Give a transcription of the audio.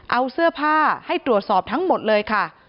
เอาเสื้อผ้าให้ตรวจสอบทั้งหมดเลยค่ะ